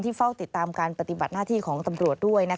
เฝ้าติดตามการปฏิบัติหน้าที่ของตำรวจด้วย